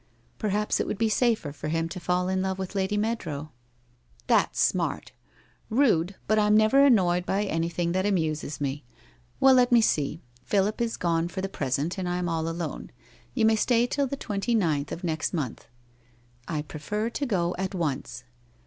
' Perhaps it would be safer for him to fall in love with' Lady Meadrow ?'' That's smart ! Rude, but I'm never annoyed by any thing that amuses me. Well, let me see, Philip is gone WHITE ROSE OF WEARY LEAF 47 for the present and I'm all alone. You may stay till the twenty ninth of next month.' * I prefer to go at once.'